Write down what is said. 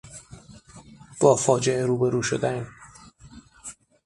با فاجعه روبرو شدن